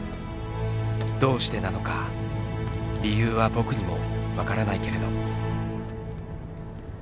どうしてなのか理由は「僕」にも分からないけれど。